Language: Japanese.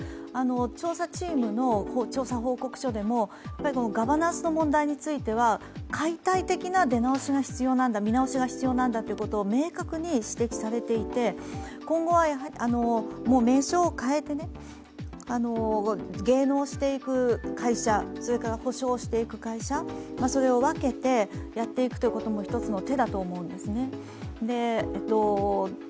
調査チームの調査報告書でもガバナンスの問題については解体的な出直しが必要なんだ、見直しが必要なんだと明確に指摘されていて、今後はもう名称を変えて、芸能をしていく会社、補償していく会社を分けてやっていくということも１つの手だと思うんですね。